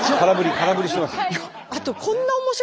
空振りしてますよ。